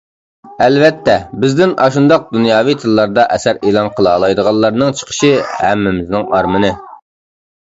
ئەلۋەتتە، بىزدىن ئاشۇنداق دۇنياۋى تىللاردا ئەسەر ئېلان قىلالايدىغانلارنىڭ چىقىشى ھەممىمىزنىڭ ئارمىنى.